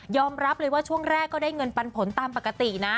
รับเลยว่าช่วงแรกก็ได้เงินปันผลตามปกตินะ